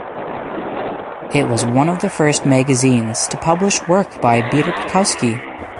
It was one of the first magazines to publish work by Peter Bakowski.